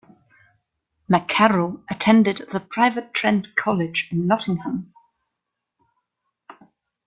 MacKerrell attended the private Trent College in Nottingham.